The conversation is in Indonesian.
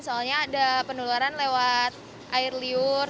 soalnya ada penularan lewat air liur